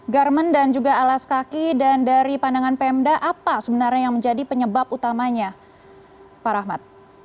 garmen dan juga alas kaki dan dari pandangan pemda apa sebenarnya yang menjadi penyebab utamanya pak rahmat